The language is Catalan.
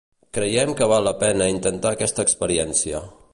Creiem que val la pena intentar aquesta experiència.